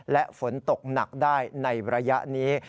และฝนตกหนักได้ในระยะนี้